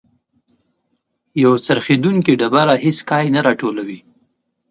یو څرخیدونکی ډبره هیڅ کای نه راټولوي.